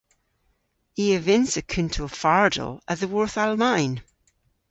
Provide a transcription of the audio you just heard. I a vynnsa kuntel fardel a-dhyworth Almayn.